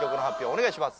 お願いします